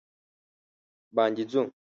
باندې ځو